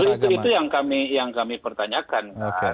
itu yang kami pertanyakan